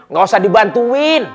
gak usah dibantuin